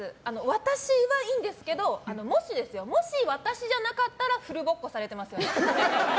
私はいいんですけどもし私じゃなかったらフルボッコされてますよ。